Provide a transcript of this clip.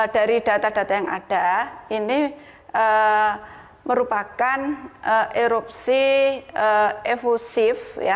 dari data data yang ada ini merupakan erupsi evosif